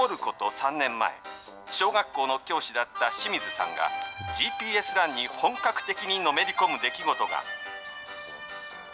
３年前、小学校の教師だった志水さんが、ＧＰＳランに本格的にのめり込む出来事が。